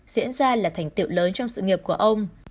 diễn ra là thành tiệu lớn trong sự nghiệp của ông